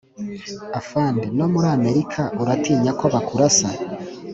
Afande no muli Amerika uratinya ko bakurasa?